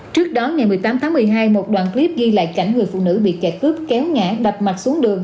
trước đó ngày một mươi tám tháng một mươi hai một đoạn clip ghi lại cảnh người phụ nữ bị kẻ cướp kéo ngã đập mặt xuống đường